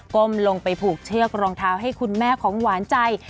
ก้มลงไปผูกเชือกรองเท้าให้คุณแม่ของหวานใจ